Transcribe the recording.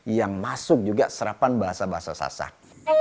yang masuk juga serapan bahasa bahasa sasak